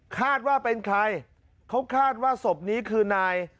คาดว่าเป็นใครเขาคาดว่าศพนี้คือนาย